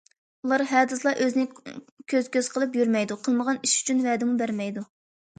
ئۇلار ھە دېسىلا ئۆزىنى كۆز- كۆز قىلىپ يۈرمەيدۇ قىلمىغان ئىش ئۈچۈن ۋەدىمۇ بەرمەيدۇ.